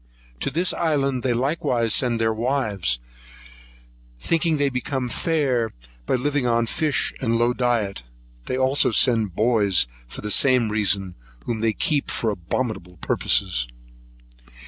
To this island they likewise send their wives, thinking they become fair by living on fish, and low diet. They also send boys for the same reason, whom they keep for abominable purposes.